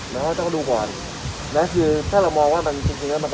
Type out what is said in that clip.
นายกคะวันนี้ที่สามพอร์แถลงเรื่อง